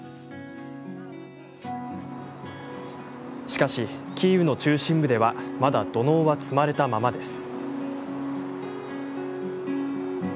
しかし、キーウの中心部ではまだ土のうは積まれたままです。